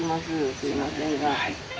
すいませんが。